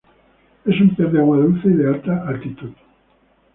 Es un pez de agua dulce y de alta altitud.